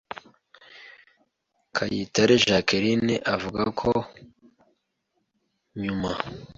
Kayitare Jacqueline, avuga ko nyuma